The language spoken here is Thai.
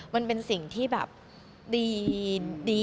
มันเป็นสิ่งที่แบบดี